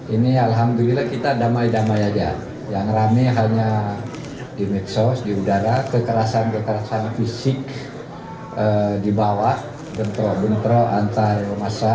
ini alhamdulillah kita damai damai saja yang rame hanya di medsos di udara kekerasan kekerasan fisik di bawah bentrok bentrok antar masa